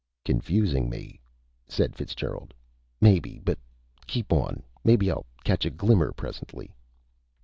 "Confusing me," said Fitzgerald, "maybe. But keep on. Maybe I'll catch a glimmer presently."